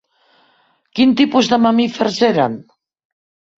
Quin tipus de mamífers eren?